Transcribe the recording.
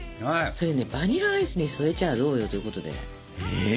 それねバニラアイスに添えちゃどうよということで。